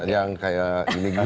yang kayak ini gitu